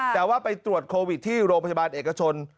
แต่ว่าไปตรวจโควิดที่โรงพยาบาลเอกชน